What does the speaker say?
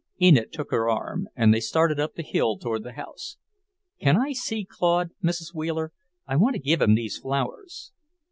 Enid took her arm, and they started up the hill toward the house. "Can I see Claude, Mrs. Wheeler? I want to give him these flowers."